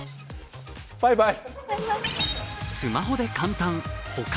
バイバイ！